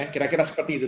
kira kira seperti itu